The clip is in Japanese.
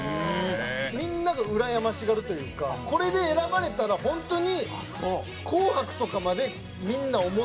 みんながうらやましがるというかこれで選ばれたらホントに『紅白』とかまでみんな思ってた感じで。